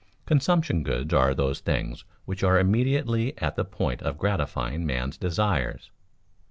Consumption goods are those things which are immediately at the point of gratifying man's desires.